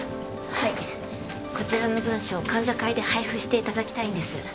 はいこちらの文書を患者会で配布していただきたいんです